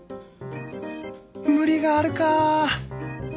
無理があるか？